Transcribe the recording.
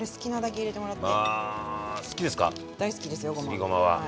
すりごまは。